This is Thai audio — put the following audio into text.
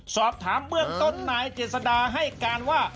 สอบถามเบื้องต้นนายเจษดาให้การว่า